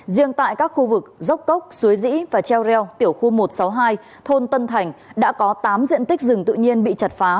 riêng tại các khu vực dốc cốc suối dĩ và treo reo tiểu khu một trăm sáu mươi hai thôn tân thành đã có tám diện tích rừng tự nhiên bị chặt phá